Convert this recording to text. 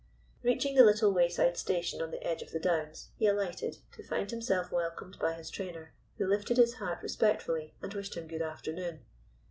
Reaching the little wayside station on the edge of the Downs, he alighted, to find himself welcomed by his trainer, who lifted his hat respectfully, and wished him good afternoon.